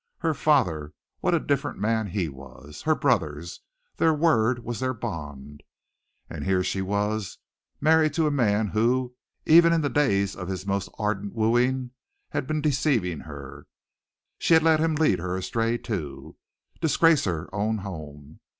Her father, what a different man he was; her brothers, their word was their bond. And here was she married to a man who, even in the days of his most ardent wooing, had been deceiving her. She had let him lead her astray, too, disgrace her own home.